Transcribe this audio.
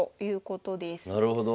なるほど。